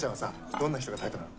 どんな人がタイプなの？